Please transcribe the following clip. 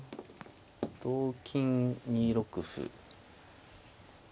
同金２六歩。